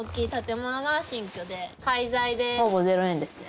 廃材でほぼ０円ですね。